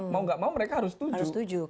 mau nggak mau mereka harus setuju